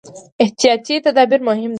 احتیاطي تدابیر مهم دي.